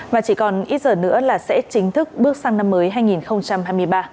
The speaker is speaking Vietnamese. và chỉ còn ít giờ nữa là sẽ chính thức bước sang năm mới hai nghìn hai mươi ba